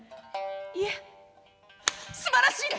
「いえすばらしいです！